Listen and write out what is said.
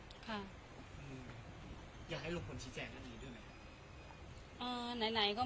อยากให้ลุงคนชิดแจงอันนี้ด้วยไหม